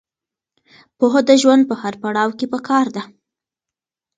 پوهه د ژوند په هر پړاو کې پکار ده.